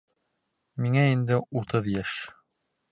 Миңә инде утыҙ йәш!